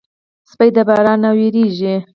سپي د باران نه وېرېږي.